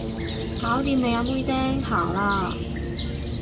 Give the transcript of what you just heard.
搞掂未啊妹釘，行啦